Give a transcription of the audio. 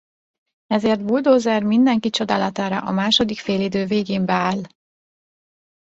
Ezért Buldózer mindenki csodálatára a második félidő végén beáll.